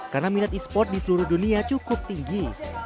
karena minat e sport di seluruh dunia cukup tinggi